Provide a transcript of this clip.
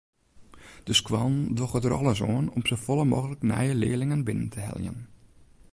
De skoallen dogge der alles oan om safolle mooglik nije learlingen binnen te heljen.